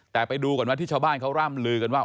แต่ไปดูก่อนว่าที่ชาวบ้านเขาร่ำลือกันว่า